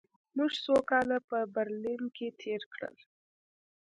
موږ څو کاله په برلین کې تېر کړل